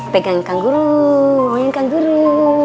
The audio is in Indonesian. pegang kangguru main kangguru